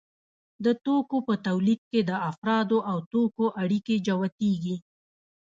د توکو په تولید کې د افرادو او توکو اړیکې جوتېږي